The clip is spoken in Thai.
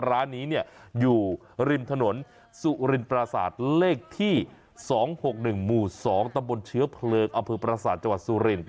ร้านนี้เนี่ยอยู่ริมถนนสุรินปราศาสตร์เลขที่๒๖๑หมู่๒ตะบลเชื้อเพลิงอพปราศาสตร์จสุริน